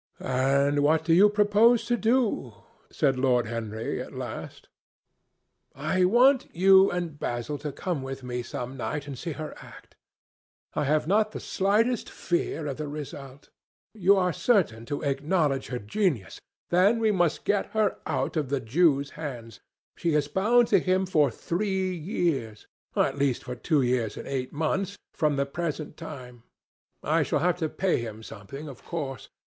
"And what do you propose to do?" said Lord Henry at last. "I want you and Basil to come with me some night and see her act. I have not the slightest fear of the result. You are certain to acknowledge her genius. Then we must get her out of the Jew's hands. She is bound to him for three years—at least for two years and eight months—from the present time. I shall have to pay him something, of course.